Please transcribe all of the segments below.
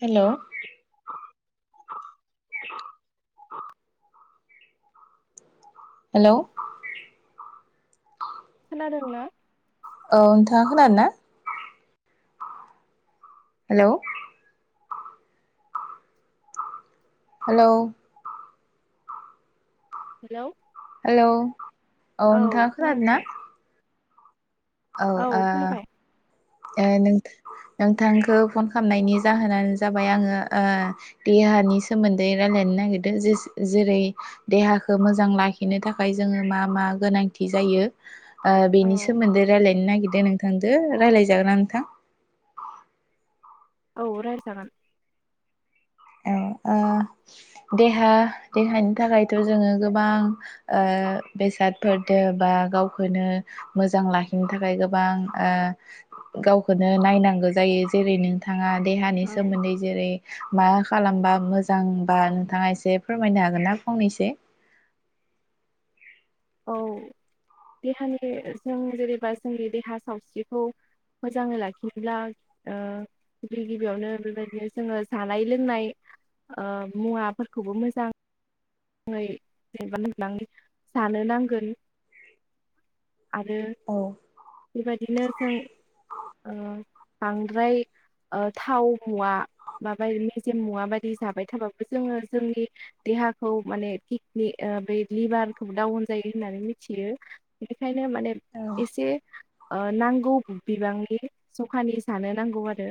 हेल' hello खोनादों ना। औ नोंथाङा खोनादों ना। हेल' हेलौ हेल' हेलौ औ नोंथाङा खोनादों ना। खोनाबाय औ आ ओ नोंथ नोंथांखौ फन खालामनायनि जाहोनानो जाबाय आङो ओ देहानि सोमोन्दै रायलायनो नागिरदों जे जेरै देहाखौ मोजां लाखिनो थाखाय जोङो मा - मा गोनांथि जायो। ओ बेनि औ सोमोन्दै रायजलायनो नागिरदों नोंथांजों रायलायजागोना नोंथां। औ रायलाय जागोन। औ ओ देहा देहानि थाखायथ' जोङो गोबां ओ बेसादफोरजों बा गावखौनो मोजां लाखिनो थाखाय गोबां ओ गावखौनो नायनांगौ जायो जेरै नों नोंथाङा देहानि औ सोमोन्दै जेरै मा खालामबा मोजांबा नोंथाङा एसे फोरमायनो हागोन ना फंनैसो औ देहानि जों जेनेबा जोंनि देहा सावस्रिखौ मोजाङै लाखिब्ला ओ गिबि गिबियावनो बेबायदिनो जोङो जानाय लोंनाय ओ मुवाफोरखौबो मोजां [unintelligible] जानो नांगोन आरो औ बेबायदिनो जों ओ बांद्राय ओ थाव मुवा माबाय मेजेम मुवा बायदि जाबाय थाबाबो जोङो जोंनि देहा खौ माने किकनि बे लिभारखौबो डाउन जायो होननानै मिथियो। बेखायनो माने एसे ओ नांगौ बिबांनि जखानि जानो नांगौ आरो।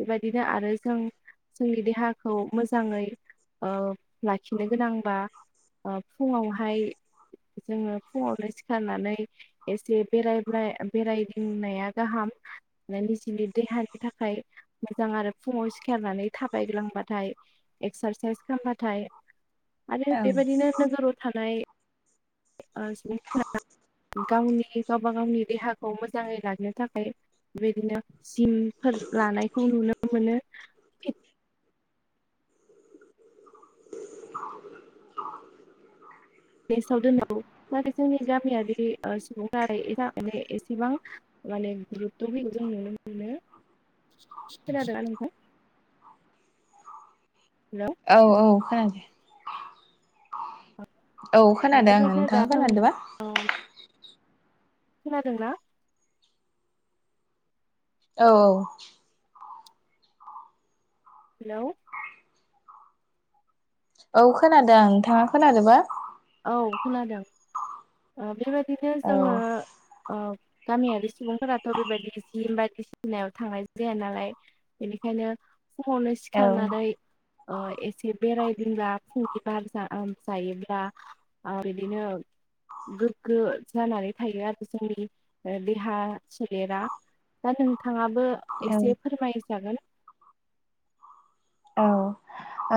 बेबायदिनो आरो जों जोंनि देहाखौ मोजाङै ओ लाखि लाखिनो गोनांबा अ' फुङावहाय जोङो फुङावनो सिखारनानै एसे बेराय बेरायदिंनाया गाहाम। निजिनि देहानि थाखाय मोजां आरो फुङाव सिखारनानै [unintelligible] एक्सारसाइस खालामबाथाय आरो बेबायदिनो नोगोराव थानाय ओ [unintelligible] गावनि गावबा गावनि देहाखौ मोजाङै लानो थाखाय बेबायदिनो जिम फोर लानायखौ नुनो मोनो। [inaudible] [unintelligible] नाथाय जोंनि गामियारि ओ सुबुंफोरा माने एसेबां माने गुरथ' होमो जों नुनो मोनो खोनादोंना नोंथां। हेलौ! औ-औ खोनादो। औ ओ खोनादो आङो बेबायदिनो दा नोंथाङा जों खोनादोबा? औ खोनादोंना? औ-औ। हेलौ! औ खोनादो नोंथाङा खोनादोबा? औ खोनादों ओ बेबायदिनो औ जोङो ओ। गामियारि सुबुंफोराथ' बेबायदि जिम बायदिसि। सिनायाव थांनाय जाया नालाय बेनिखायनो फुङावनो औ सिखारनानै। ओ एसे बेरायदोंब्ला फुंनि बार जा ओ जायोब्ला। आ बिदिनो‌‌। गोग्गो जानानै थायो आरो जोंनि ओ देहा सोलेरा। दा नोंथाङाबो औ एसे फोरमायजागोन। औ।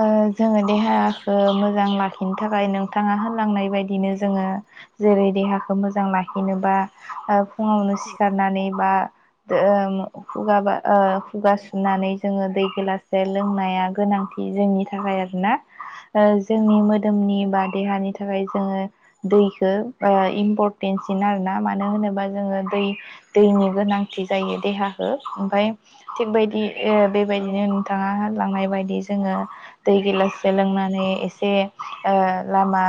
ओ जोङो देहाखो मोजां लाखिनो थाखाय नोंथाङा होनलांनाय बायदिनो जोङो। जेरै देहाखो मोजां लाखिनोबा फुङावनो सिखारनानै बा। ओ ओं खुगा बा ओ खुगा सुनानै जोङो दै गिलासे। लोंनाया गोनांथि जोंनि थाखाय आरोना। ओ जोंनि मोदोमनि बा देहानि थाखाय जोङो। दैखो ओ इम्परटेनसिन आरोना मानो होनोबा जोङो दै। दैनि गोनांथि जायो देहाखो ओमफाय थिग बादि ओ औ बेबायदिनो औ नोंथां। दा होनलांनाय बायदि जोङो। दै गिलाससे लोंनानै एसे ओ लामा।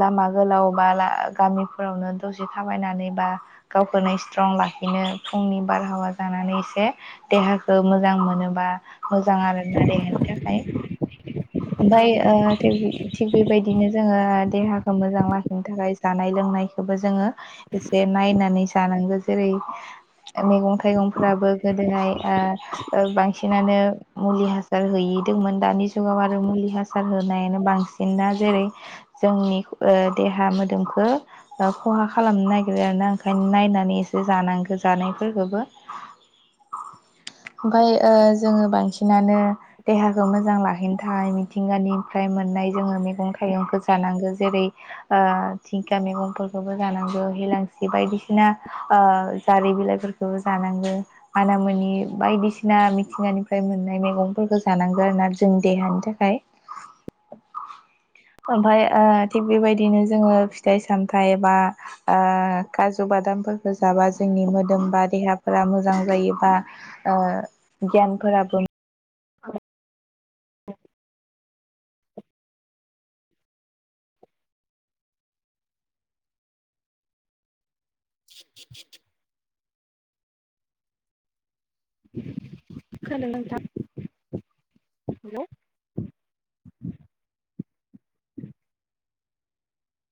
लामा गोलाव बा ला गामिफोरावनो दसे थाबायनानै बा। गावखौनो स्ट्रं लाखिनो फुंनि बारहावा जानानै एसे। देहाखो मोजां मोनोबा। मोजां आरो ना देहानि थाखाय ओमफाय ओ थि। थिग बेबायदिनो जोङो देहाखौ मोजां लाखिनो थाखाय जानाय लोंनायखोबो जोङो। एसे नायनानै जानांगो जेरै। मैगं-थाइगंफ्राबो गोदोहाय ओ बांसिनानो। मुलि, हासार होयैदोंमोन दानि जुगाव आरो मुलि, हासार होनायानो बांसिनना जेरै- जोंनि ओ देहा मोदोमखो। खहा खालामनो नागिरो आरोना ओंखायनो नायनानै एसे जानांगो जानायफोरखौबो। ओमफाय ओ जोङो बांसिनानो। देहाखो मोजां लाखिनो थाखाय मिथिंगानिफ्राय मोननाय जोङो मैगं-थाइगंखो जानांगो जेरै- ओ धिंखा मैगंफोरखोबो जानांगो हिलांसि बायदिसिना ओ जारि बिलाइफोरखो। खोबो जानांगो मानामुनि बायदिसिना मिथिंगानिफ्राय मोनना। मैंफोरखो जानांगोन आरोना जोंनि देहानि थाखाय। ओमफ्राय ओ थिग बेबायदिनो जोङो फिथाइ- सामथाइ बा। ओ‌ काजु बादामफोरखो जाबा जोंनि मोदोम बा देहाफोरा मोजां जायोबा। ओ गियानफोराबो। औ द खोनादोंना नोंथां हेलौ!